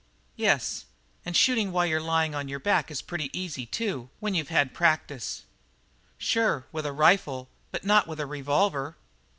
"Yes, and shooting while you're lying on your back is pretty easy, too, when you've had practice." "Sure, with a rifle, but not with a revolver."